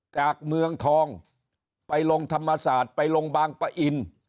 จากเมืองทองไปลงธรรมศาสตร์ไปลงบางปะอิน